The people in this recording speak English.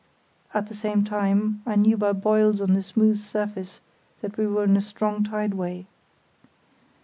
At the same time, I knew by boils on the smooth surface that we were in a strong tideway.